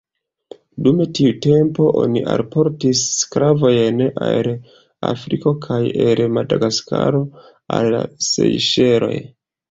Dum tiu tempo, oni alportis sklavojn el Afriko kaj el Madagaskaro al la Sejŝeloj.